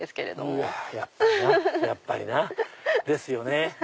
うわやっぱりな！ですよね。